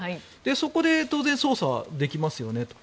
そこで当然捜査はできますよねと。